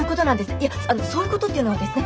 いやそういうことっていうのはですね